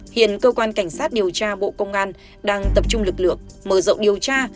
hiện cơ quan cảnh sát điều tra bộ công an đang tập trung lực lượng mở rộng điều tra